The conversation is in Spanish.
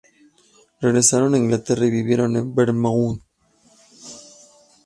Regresaron a Inglaterra y vivieron en Bournemouth.